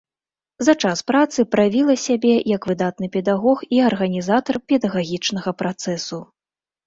За час працы праявіла сябе як выдатны педагог і арганізатар педагагічнага працэсу.